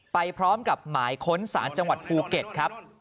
ไปพร้อมกับหมายค้นศาลจังหวัดภูเก็ตครับ